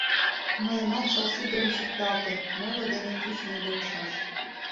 Мыйынат чыл шӱдырем чӱкталте, Моло дене кӱшнӧ йӱлышаш.